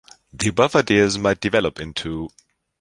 The above ideas might develop into...